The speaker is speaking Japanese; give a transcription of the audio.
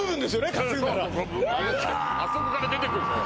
担ぐならあそこから出てくるのよ